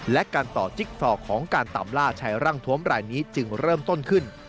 และการต่อจิ๊กซอกของการตามล่าชายร่างทวมรายนี้จึงเริ่มต้นขึ้น